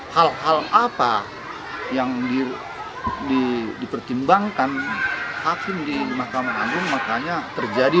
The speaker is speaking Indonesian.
hal hal apa yang dipertimbangkan hakim di mahkamah agung makanya terjadi